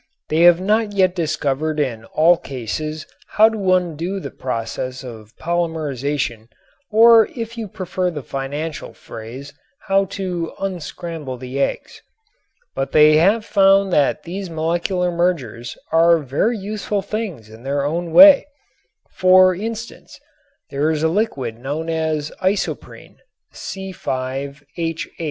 They have not yet discovered in all cases how to undo the process of polymerization, or, if you prefer the financial phrase, how to unscramble the eggs. But they have found that these molecular mergers are very useful things in their way. For instance there is a liquid known as isoprene (C_H_).